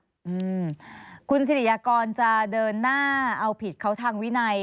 อืมคุณสิริยากรจะเดินหน้าเอาผิดเขาทางวินัย